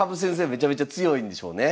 めちゃめちゃ強いんでしょうね。